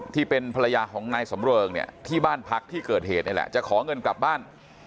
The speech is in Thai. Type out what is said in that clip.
ที่เป็นภรรยาของนายสำเริงเนี่ยที่บ้านพักที่เกิดเหตุนี่แหละจะขอเงินกลับบ้าน